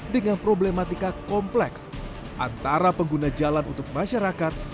dengan problematika kompleks antara pengguna jalan untuk masyarakat